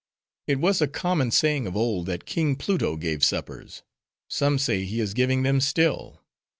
It was a common saying of old, that King Pluto gave suppers; some say he is giving them still.